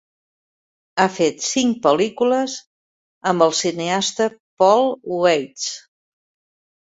Ha fet cinc pel·lícules amb el cineasta Paul Weitz.